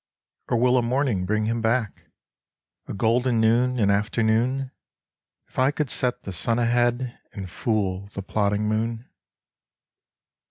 Or will a morning bring him back? A golden noon, an afternoon? If I could set the sun ahead And fool the plodding moon